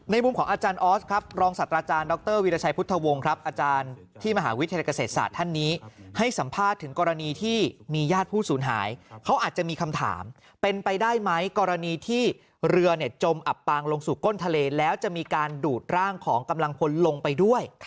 มุมของอาจารย์ออสครับรองศาสตราจารย์ดรวิรชัยพุทธวงศ์ครับอาจารย์ที่มหาวิทยาลัยเกษตรศาสตร์ท่านนี้ให้สัมภาษณ์ถึงกรณีที่มีญาติผู้สูญหายเขาอาจจะมีคำถามเป็นไปได้ไหมกรณีที่เรือจมอับปางลงสู่ก้นทะเลแล้วจะมีการดูดร่างของกำลังพลลงไปด้วย